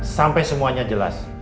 sape semuanya jelas